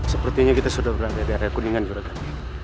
sepertinya kita sudah berada di area kuningan jodohkan